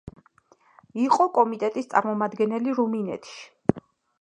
იყო კომიტეტის წარმომადგენელი რუმინეთში.